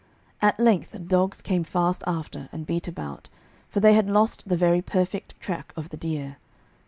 At length the dogs came fast after, and beat about, for they had lost the very perfect track of the deer.